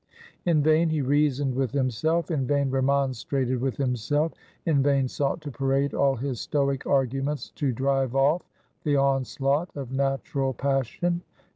In vain he reasoned with himself; in vain remonstrated with himself; in vain sought to parade all his stoic arguments to drive off the onslaught of natural passion.